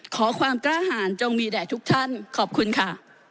ขอความกล้าหารจงมีแด่ทุกท่านขอบคุณค่ะ